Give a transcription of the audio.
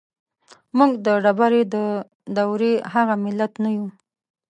موږ د ډبرې د دورې هغه ملت نه يو.